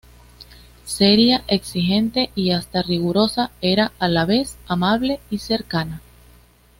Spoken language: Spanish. Seria, exigente y hasta rigurosa, era a la vez amable y cercana.